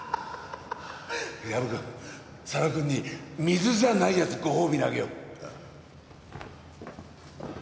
藪くん佐野くんに水じゃないやつご褒美にあげよう。